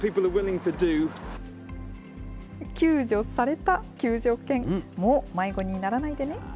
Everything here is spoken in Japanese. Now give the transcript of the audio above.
救助された救助犬、もう迷子にならないでね。